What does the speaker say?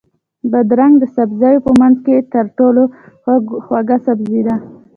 بادرنګ د سبزیو په منځ کې تر ټولو خوږ سبزی ده.